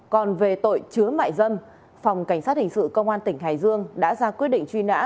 còn về tội chứa mại dâm phòng cảnh sát hình sự công an tỉnh hải dương đã ra quyết định truy nã